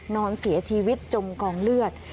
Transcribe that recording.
นอนเสียชีวิตจมกองเลือด